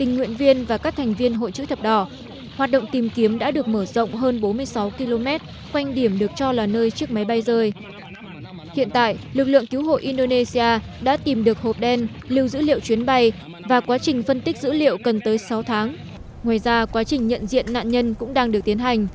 ngoài ra quá trình nhận diện nạn nhân cũng đang được tiến hành